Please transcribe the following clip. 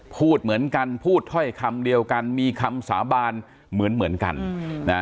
พูดเหมือนกันพูดถ้อยคำเดียวกันมีคำสาบานเหมือนเหมือนกันนะ